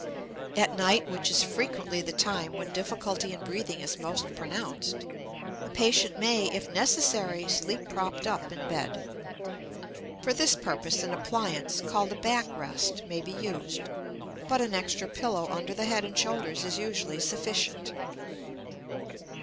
At night, which is frequently the time when difficulty in breathing is most pronounced, the patient may, if necessary, sleep propped up in bed. For this purpose an appliance called a back rest may be used, but an extra pillow under the head and shoulders is usually sufficient.